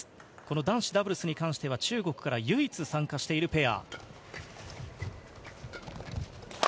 男子ダブルスに関しては中国から唯一参加しているペア。